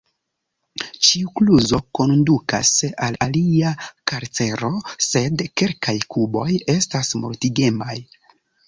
Ĉiu kluzo kondukas al alia karcero, sed kelkaj kuboj estas mortigemaj.